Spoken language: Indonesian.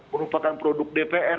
merupakan produk dpr